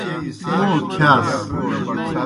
موں کِھیاس۔